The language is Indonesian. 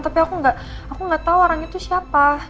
tapi aku gak tau orang itu siapa